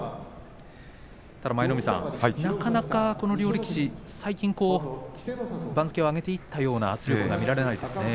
ただ舞の海さんなかなかこの両力士最近、番付を上げていったような圧力が見られませんね。